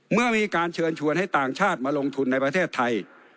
เมื่อมีการเชิญชวนให้ต่างชาติมาลงทุนในประเทศไทย